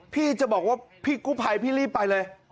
พี่จะบอกว่าพี่กู้ภัยพี่รีบไปเลย